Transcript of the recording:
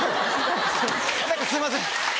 何かすいません。